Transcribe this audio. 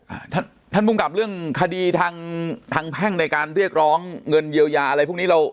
อ่าท่านท่านภูมิกับเรื่องคดีทางทางแพ่งในการเรียกร้องเงินเยียวยาอะไรพวกนี้เรา